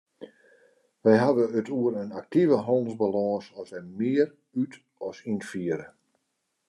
Wy hawwe it oer in aktive hannelsbalâns as wy mear út- as ynfiere.